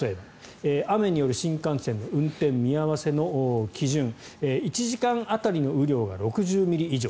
雨による新幹線の運転見合わせの基準１時間当たりの雨量が６０ミリ以上。